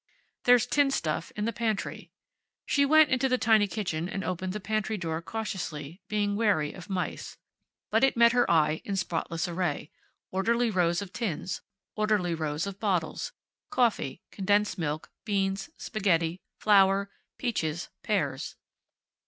There's tinned stuff in the pantry. She went into the tiny kitchen and opened the pantry door cautiously, being wary of mice. But it met her eye in spotless array. Orderly rows of tins. Orderly rows of bottles. Coffee. Condensed milk. Beans. Spaghetti. Flour. Peaches. Pears.